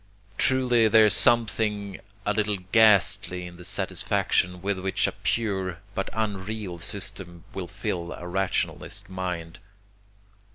Truly there is something a little ghastly in the satisfaction with which a pure but unreal system will fill a rationalist mind.